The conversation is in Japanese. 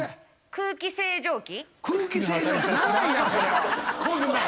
空気清浄機。